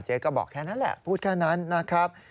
ก็บอกแค่นั้นแหละพูดแค่นั้นนะครับ